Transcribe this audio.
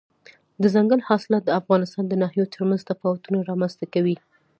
دځنګل حاصلات د افغانستان د ناحیو ترمنځ تفاوتونه رامنځ ته کوي.